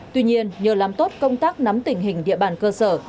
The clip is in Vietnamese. tuy nhiên nhờ làm tốt công tác nắm tình hình địa bàn cơ sở